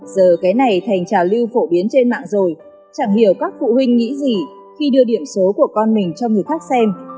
giờ cái này thành trào lưu phổ biến trên mạng rồi chẳng hiểu các phụ huynh nghĩ gì khi đưa điểm số của con mình cho người khác xem